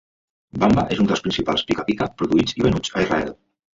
Bamba és un dels principals pica-pica produïts i venuts a Israel.